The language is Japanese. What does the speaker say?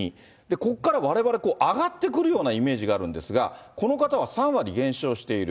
ここからわれわれ、上がってくるようなイメージがあるんですが、この方は３割減少している。